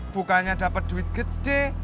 bukanya dapet duit gede